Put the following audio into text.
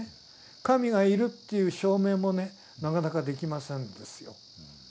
神がいるという証明もねなかなかできませんですよ。